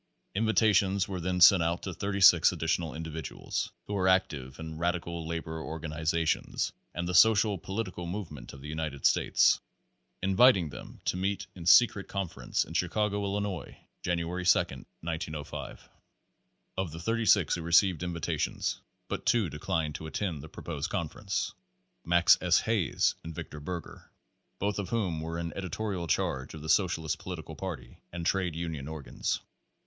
Invitations were then sent put to thirty six addi tional individuals who were active in radical labor or ganizations and the socialist political movement of the United States, inviting them to meet in secret confer ence in Chicago, Illinois, January 2, 1905. Of the thirty six who received invitations, but two declined to attend the proposed conference Max S. Hayes and Victor Berger both of whom were in edi torial charge of the socialist political party and trade union organs.